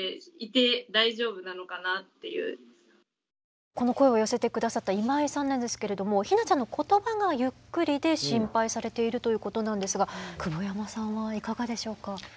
思ったのとこの声を寄せて下さった今井さんなんですけれどもひなちゃんのことばがゆっくりで心配されているということなんですが久保山さんはいかがでしょうか。